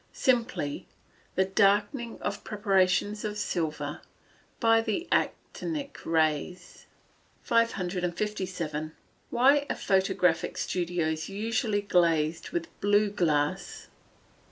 _ Simply the darkening of preparations of silver, by the actinic rays. 557. _Why are photographic studios usually glazed with blue glass?